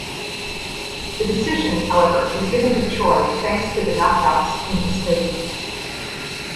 The decision, however, was given to Choi thanks to the knockouts in his favor.